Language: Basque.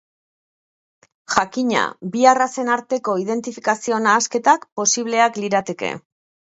Jakina, bi arrazen arteko identifikazio nahasketak posibleak lirateke.